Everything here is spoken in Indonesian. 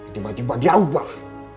tiba tiba dia ubah